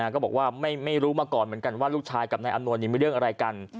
ก็บอกว่าไม่รู้มาก่อนเหมือนกันว่าลูกชายกับนายอำนวยมีเรื่องอะไรกัน